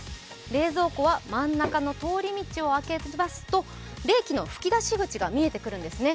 冷蔵庫は真ん中の通り道をあけますと冷気の吹き出し口が見えてくるんですね。